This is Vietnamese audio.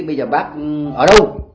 bây giờ bác ở đâu